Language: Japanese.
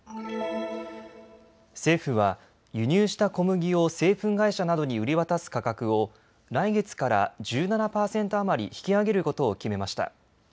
政府は輸入した小麦を製粉会社などに売り渡す価格を来月から１７％余り引き上げることを決めました。